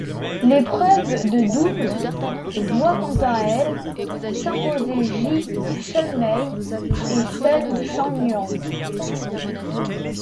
L'épreuve de double voit quant à elle s'imposer Ji Chunmei et Sun Shengnan.